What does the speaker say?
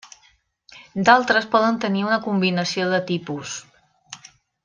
D'altres poden tenir una combinació de tipus.